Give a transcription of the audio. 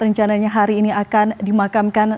rencananya hari ini akan dimakamkan